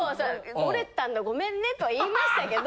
「折れてたんだごめんね」とは言いましたけど。